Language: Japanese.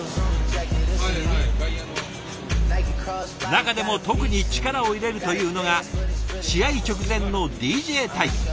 中でも特に力を入れるというのが試合直前のＤＪタイム。